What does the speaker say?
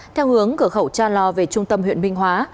theo hướng cửa khẩu cha lo về trung tâm huyện minh hóa